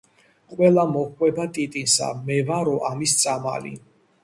ყველა მოჰყვება ტიტინსა:"მე ვარო ამის წამალი"